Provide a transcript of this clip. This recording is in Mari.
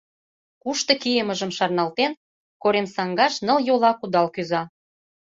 Кушто кийымыжым шарналтен, коремсаҥгаш нылйола кудал кӱза.